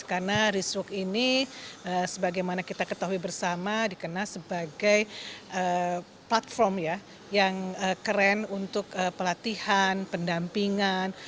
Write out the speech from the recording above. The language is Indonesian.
karena rich work ini sebagaimana kita ketahui bersama dikenal sebagai platform yang keren untuk pelatihan pendampingan